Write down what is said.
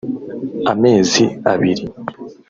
amezi abiri